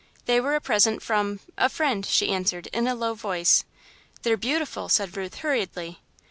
"They were a present from a friend," she answered, in a low voice. "They're beautiful," said Ruth, hurriedly.